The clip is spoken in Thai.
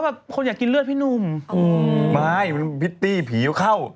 มัร่าฯมัน๒๐ภีร์อยู่ข้าว